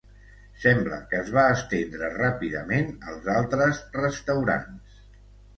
Sembla que es va estendre ràpidament als altres restaurants.